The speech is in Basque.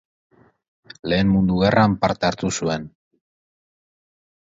Lehen Mundu Gerran parte hartu zuen.